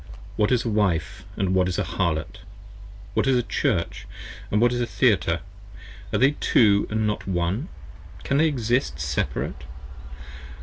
What is a Wife & what is a Harlot? What is a Church? & What Is a Theatre? are they Two & not One? can they Exist Separate?